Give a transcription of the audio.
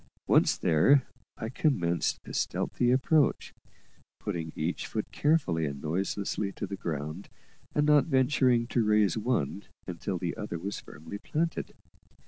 Once there, I commenced a stealthy approach, putting each foot carefully and noiselessly to the ground, and not venturing to raise one until the other was firmly planted.